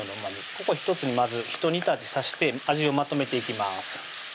ここひとつにまずひと煮立ちさして味をまとめていきます